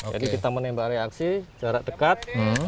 jadi kita menembak reaksi jarak dekat